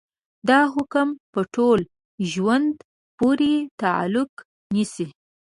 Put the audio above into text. دا حکم په ټول ژوند پورې تعلق نيسي.